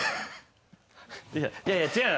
いやいや違う。